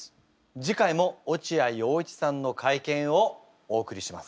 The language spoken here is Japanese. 次回も落合陽一さんの会見をお送りします。